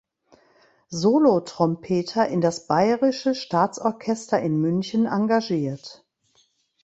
Solotrompeter in das Bayerische Staatsorchester in München engagiert.